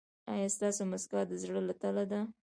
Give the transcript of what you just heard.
ایا ستاسو مسکا د زړه له تله ده؟